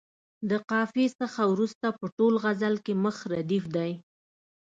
د قافیې څخه وروسته په ټول غزل کې مخ ردیف دی.